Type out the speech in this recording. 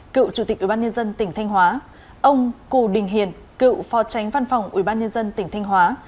cựu chủ tịch ubnd tỉnh thanh hóa ông cù đình hiền cựu phó tránh văn phòng ubnd tỉnh thanh hóa